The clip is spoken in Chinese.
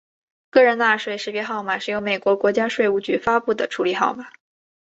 个人纳税识别号码是由美国国家税务局发布的处理号码。